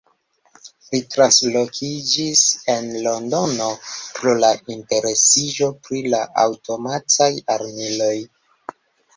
Li translokiĝis en Londonon, pro la interesiĝo pri la aŭtomataj armiloj.